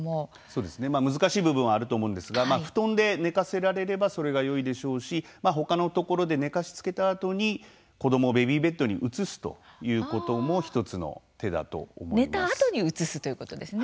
そうですね、難しい部分はあると思うんですが布団で寝かせられればそれがよいでしょうしほかのところで寝かしつけたあとに子どもをベビーベッドに移すということも１つの手だと思います。